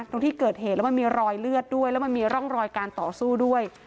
ตรงที่เกิดเหตุแล้วมันมีรอยเลือดด้วยแล้วมันมีร่องรอยการต่อสู้ด้วย